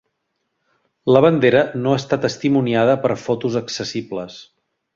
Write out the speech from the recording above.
La bandera no està testimoniada per fotos accessibles.